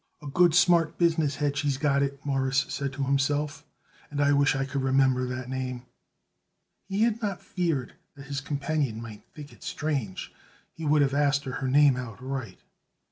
"A good, smart, business head she's got it," Morris said to himself, "and I wish I could remember that name." Had he not feared that his companion might think it strange, he would have asked her name outright.